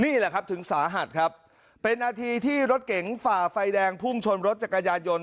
นี่แหละครับถึงสาหัสครับเป็นนาทีที่รถเก๋งฝ่าไฟแดงพุ่งชนรถจักรยานยนต